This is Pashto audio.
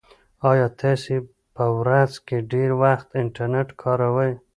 ایا تاسي په ورځ کې ډېر وخت انټرنيټ کاروئ؟